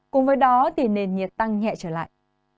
cùng với đó nền nhiệt tăng nhẹ trở lại